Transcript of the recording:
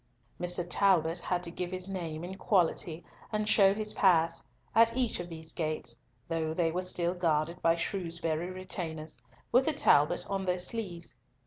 Mr. Talbot had to give his name and quality, and show his pass, at each of these gates, though they were still guarded by Shrewsbury retainers, with the talbot on their sleeves.